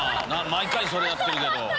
毎回それやってるけど。